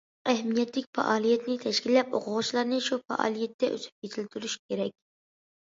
ئەھمىيەتلىك پائالىيەتنى تەشكىللەپ، ئوقۇغۇچىلارنى شۇ پائالىيەتتە ئۆسۈپ يېتىلدۈرۈش كېرەك.